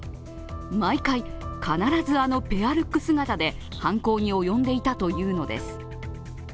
毎回必ずあのペアルック姿で犯行に及んでいたというのです。